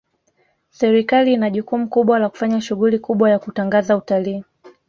serikali ina jukumu kubwa la kufanya shughuli kubwa ya kutangaza utalii